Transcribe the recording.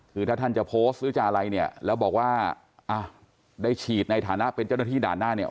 คือถ้าท่านจะโพสต์หรือจะอะไรเนี่ยแล้วบอกว่าอ่ะได้ฉีดในฐานะเป็นเจ้าหน้าที่ด่านหน้าเนี่ย